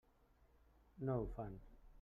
No ho fan.